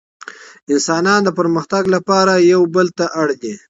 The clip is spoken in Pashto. انسانان د پرمختګ لپاره يو بل ته اړ دي.